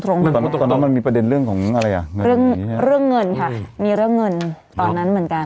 แต่เมื่อก่อนนั้นมันมีประเด็นเรื่องของอะไรอ่ะเรื่องเรื่องเงินค่ะมีเรื่องเงินตอนนั้นเหมือนกัน